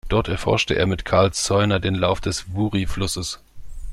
Dort erforschte er mit Karl Zeuner den Lauf des Wuri-Flusses.